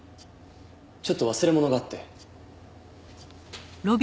ちょっと忘れ物があって。